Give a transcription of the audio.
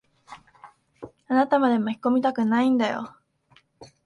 あなたまで巻き込みたくないんだよ。